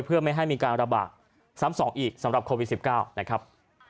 เพื่อไม่ให้มีการระบาดซ้ำสองอีกสำหรับโควิด๑๙นะครับ